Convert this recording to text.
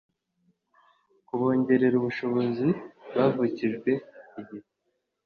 kubongerera ubushobozi bavukijwe igihe